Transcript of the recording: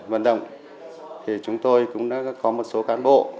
vận động thì chúng tôi cũng đã có một số cán bộ